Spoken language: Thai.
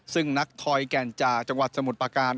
ซึ่งนักทอยแก่นจากจังหวัดสมุทรประการ